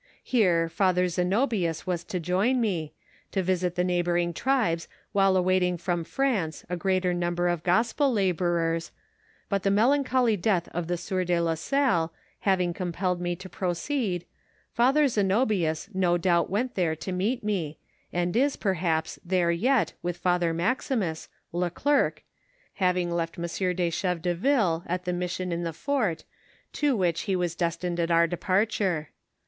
Here Father Zenobius was to join me, to visit the neighboring tribes while awaiting from France a greater number of gospel laborers, but the melancholy death of the sieur de la Salle having compelled ^SiitStmu^k^Uik^m DISOOVEBIKS m THX lOBSISSIPPI VALLBT. 229 me to proceed, Father Zenobius no donbt went there to meet me, and is, perhaps, there yet vith Father Maximus (le Glercq), having left M. de Ohefdeville at the mission in the fort, to which he was destined at our departure.